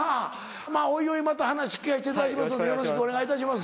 まぁおいおいまた話聞かしていただきますのでよろしくお願いいたします。